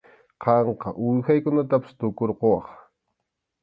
Qamqa uwihaykunatapas tukurquwaq.